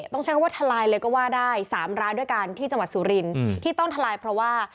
ต้องใช้คำว่าทลายเลยก็ว่าได้๓ร้านด้วยกันที่จังหวัดสุรินที่ต้องทลายเพราะว่า